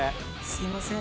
すいません。